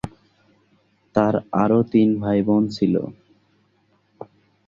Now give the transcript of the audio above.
তাঁর আরও তিন ভাইবোন ছিল।